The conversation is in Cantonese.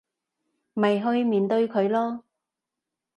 咪去面對佢囉